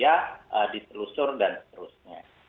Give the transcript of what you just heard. jadi kita bisa ditelusur dan seterusnya